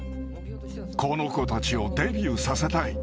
この子たちをデビューさせたい。